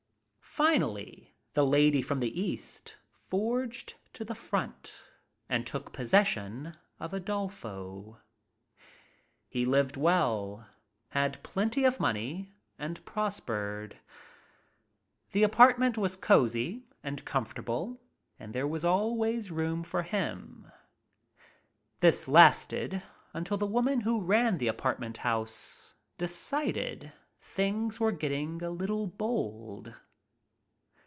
"Finally the lady from the East forged to the front and took possession of Adolfo. He lived well, had plenty of money and prospered. The apart ment was cosy and comfortable and there was al ways room for him. This lasted until the woman who ran the apartment house decided things were getting a little bold.